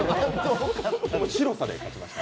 白さで勝ちました。